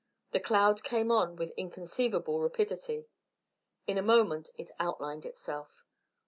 The cloud came on with inconceivable rapidity. In a moment it outlined itself.